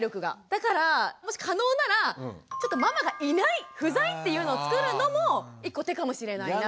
だからもし可能ならちょっとママがいない不在っていうのをつくるのも１個手かもしれないなって。